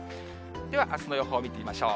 ではあすの予報を見てみましょう。